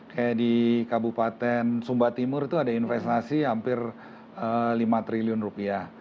kayak di kabupaten sumba timur itu ada investasi hampir lima triliun rupiah